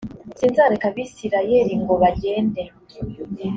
sinzareka abisirayeli ngo bagende